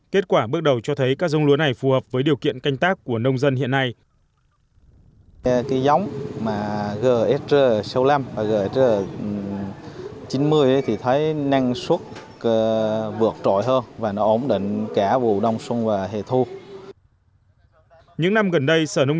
kết quả bước đầu cho thấy các giống lúa này phù hợp với điều kiện canh tác của nông dân hiện nay